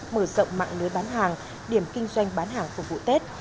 mở rộng mạng lưới bán hàng điểm kinh doanh bán hàng phục vụ tết